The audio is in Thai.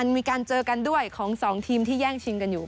มีการเจอกันด้วยของ๒ทีมที่แย่งชิงกันอยู่